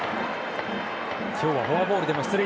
今日はフォアボールでも出塁。